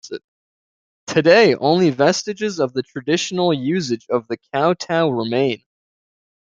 Today, only vestiges of the traditional usage of the kowtow remain.